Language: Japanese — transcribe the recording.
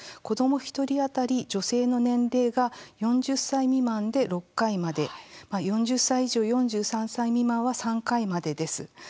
子ども１人当たり、女性の年齢が４０歳未満で６回まで４０歳以上４３歳未満は３回までです。